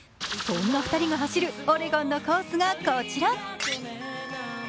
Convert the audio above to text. そんな２人が走るオレゴンのコースがこちら。